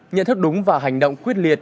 nhận thức đúng và hành động quyết liệt